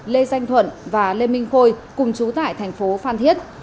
lê danh thuận và lê minh khôi cùng trú tại thành phố phan thiết